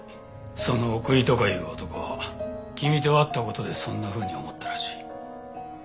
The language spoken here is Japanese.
その奥居とかいう男は君と会った事でそんなふうに思ったらしい。